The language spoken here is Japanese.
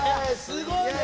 すごいよ！